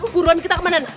buruan kita kemana nih